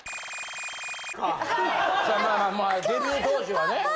まあまあデビュー当時はね。